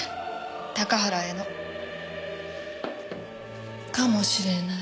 高原への。かもしれない。